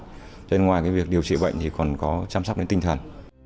cho nên ngoài việc điều trị bệnh thì còn có chăm sóc đến tinh thần